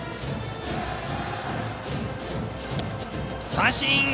三振！